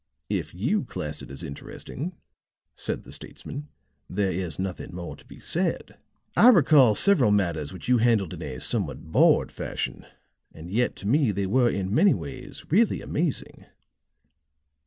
"If you class it as interesting," said the statesman, "there is nothing more to be said. I recall several matters which you handled in a somewhat bored fashion; and yet, to me, they were in many ways really amazing."